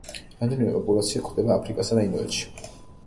რამდენიმე პოპულაცია გვხვდება აფრიკასა და ინდოეთში.